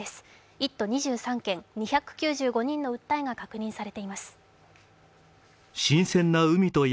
１都２３県２９５人の訴えが確認されています。